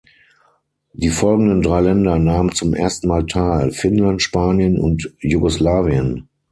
Die folgenden drei Länder nahmen zum ersten Mal teil: Finnland, Spanien und Jugoslawien.